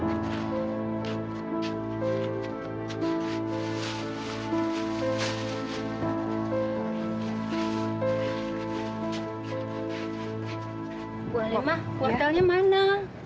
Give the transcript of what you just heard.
boleh mah wortelnya mana